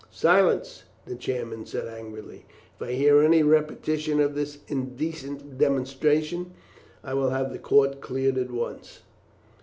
"Silence!" the chairman said angrily. "If I hear any repetition of this indecent demonstration, I will have the court cleared at once."